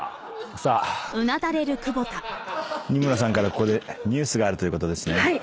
さあ仁村さんからここでニュースがあるということですね。